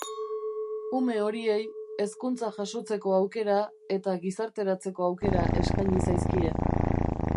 Ume horiei hezkuntza jasotzeko aukera eta gizarteratzeko aukera eskaini zaizkie.